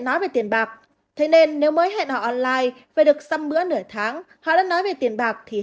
nói về tiền bạc thế nên nếu mới hẹn họ online phải được xăm bữa nửa tháng họ đã nói về tiền bạc thì